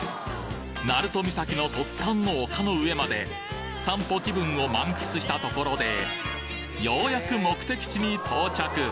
鳴門岬の突端の丘の上まで散歩気分を満喫したところでようやく目的地に到着！